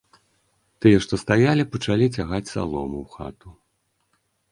Тыя, што стаялі, пачалі цягаць салому ў хату.